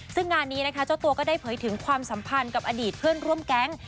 ซึ่งงานนี้นะคะเจ้าตัวก็ได้เผยถึงความสัมพันธ์กับอดีตเพื่อนร่วมแก๊ง